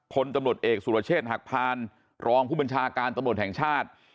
พลตำรวจเอกสุรเชษฐ์หักพานรองผู้บัญชาการตำรวจแห่งชาติ